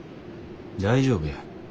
大丈夫や。